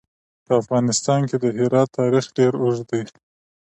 په افغانستان کې د هرات تاریخ ډېر اوږد دی.